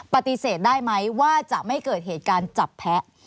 ปฏิเสธได้ไหมว่าจะไม่เกิดเหตุการณ์จับแพ้